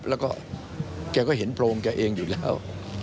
แล้วก็แกก็เห็นโพรงแกเองอยู่แล้ว